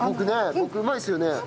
僕うまいですよね。